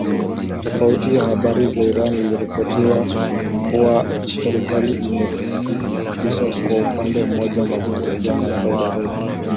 Tovuti ya habari ya Iran iliripoti kuwa serikali imesitisha kwa upande mmoja mazungumzo na Saudi Arabia